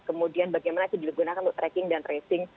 kemudian bagaimana itu digunakan untuk tracking dan tracing